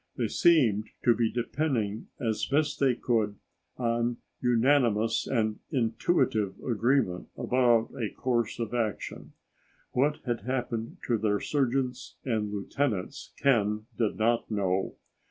They seemed to be depending as best they could on unanimous and intuitive agreement about a course of action. What had happened to their sergeants and lieutenants, Ken did not know.